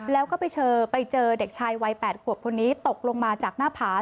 แล้วก็ไปเจอไปเจอเด็กชายวัย๘ขวบคนนี้ตกลงมาจากหน้าผา